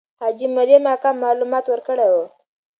حاجي مریم اکا معلومات ورکړي وو.